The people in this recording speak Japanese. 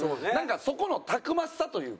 そこのたくましさというか。